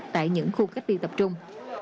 tại những khu cách ly tập trung